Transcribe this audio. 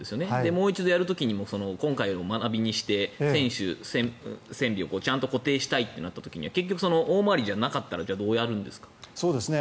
もう一度やる時には今回を学びにして船首、船尾をちゃんと固定したいとなった時は結局、大回りじゃなかったらどうやるんですか。